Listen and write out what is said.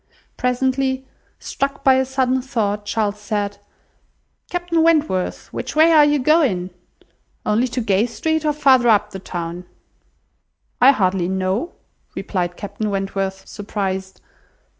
Presently, struck by a sudden thought, Charles said— "Captain Wentworth, which way are you going? Only to Gay Street, or farther up the town?" "I hardly know," replied Captain Wentworth, surprised.